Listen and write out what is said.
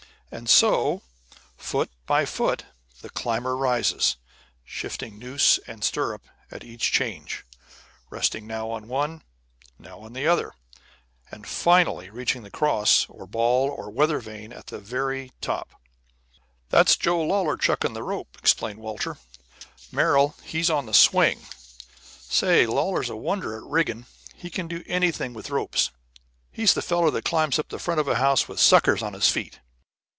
And so, foot by foot, the climber rises, shifting noose and stirrup at each change, resting now on one, now on the other, and finally reaching the cross, or ball, or weather vane at the very top. "That's Joe Lawlor chuckin' the rope," explained Walter; "Merrill, he's on the swing. Say, Lawlor's a wonder at rigging. He can do anything with ropes. He's the feller that climbs up the front of a house with suckers on his feet."